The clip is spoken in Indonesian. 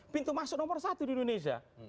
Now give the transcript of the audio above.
pintu masuk nomor satu di indonesia